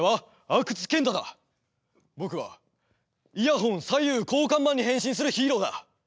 僕はイヤホン左右交換マンに変身するヒーローだ！